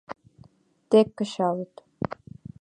Тек кычалыт.